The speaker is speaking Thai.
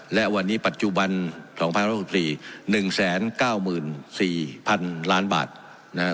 และวันนี้ปัจจุบันสองพันสี่สิบสี่หนึ่งแสนเก้าหมื่นสี่พันล้านบาทนะครับ